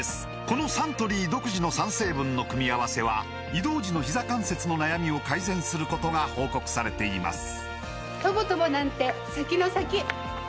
このサントリー独自の３成分の組み合わせは移動時のひざ関節の悩みを改善することが報告されています